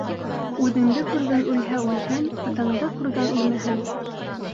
Үҙеңде күргән үлһә үлһен, атанды күргән үлмәһен.